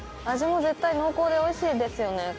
味も絶対濃厚でおいしいですよね